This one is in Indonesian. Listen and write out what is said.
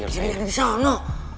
gini dari disana